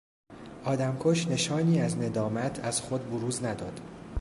آدمکش نشانی از ندامت از خود بروز نداد.